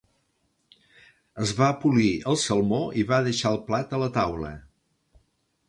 Es va polir el salmó i va deixar el plat a la taula.